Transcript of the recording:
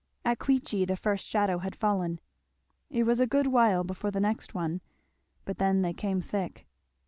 At Queechy the first shadow had fallen; it was a good while before the next one, but then they came thick.